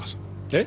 え？